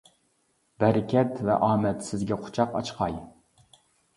بەرىكەت ۋە ئامەت سىزگە قۇچاق ئاچقاي!